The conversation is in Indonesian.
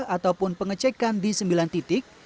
ataupun pengecekan di sembilan titik